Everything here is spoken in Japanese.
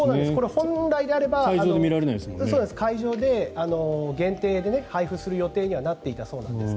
本来であれば会場で限定で配布する予定にはなっていたんですが。